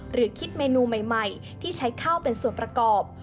หรือคิดเมนูใหม่ที่ใช้ข้าวเป็นส่วนประกอบ